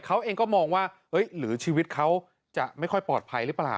เขาเองก็มองว่าหรือชีวิตเขาจะไม่ค่อยปลอดภัยหรือเปล่า